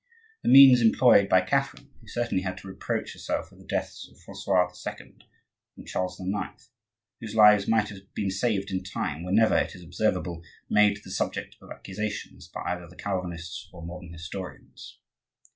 The means employed by Catherine, who certainly had to reproach herself with the deaths of Francois II. and Charles IX., whose lives might have been saved in time, were never, it is observable, made the subject of accusations by either the Calvinists or modern historians.